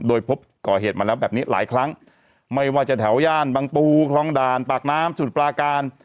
โดยพบก่อเหตุมาแล้วแบบนี้หลายครั้งไม่ว่าจะแถวย่านบางปูคลองด่านปากน้ำสมุทรปลาการ